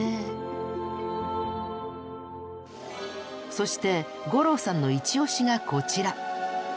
そして五郎さんのイチ推しがこちら。